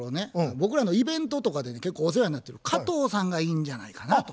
僕らのイベントとかで結構お世話になってる加藤さんがいいんじゃないかなと。